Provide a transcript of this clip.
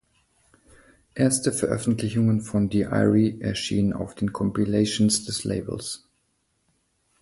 Erste Veröffentlichungen von D-Irie erschienen auf den Compilations des Labels.